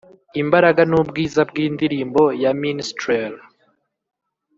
imbaraga nubwiza bwindirimbo ya minstrel?